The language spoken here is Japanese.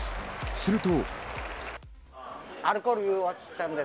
すると。